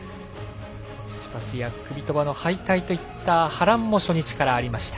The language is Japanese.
チチパスやクビトバの敗退といった波乱も初日にありました。